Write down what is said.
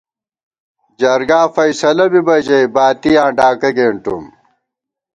جرگا فیصلہ بِبہ ژَئی، باتِیاں ڈاکہ گېنٹُوم